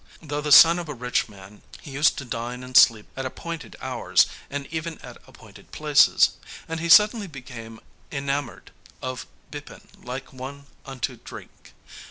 Though the son of a rich man, he used to dine and sleep at appointed hours and even at appointed places. And he suddenly became enamoured of Bipin like one unto drink.